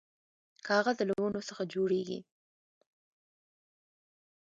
کاغذ له ونو څخه جوړیږي